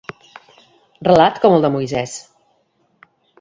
Relat com el de Moisès.